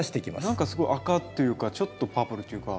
何かすごい赤というかちょっとパープルというか。